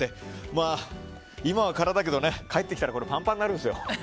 まあ、今は空だけど帰ってきたらパンパンになるんですよ。